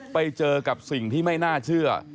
ไปเจอกับสิ่งที่ไม่น่าเชื่อ